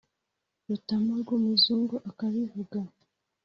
Rutamu rw'umuzungu akabivuga :